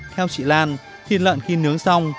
theo chị lan thịt lợn khi nướng xong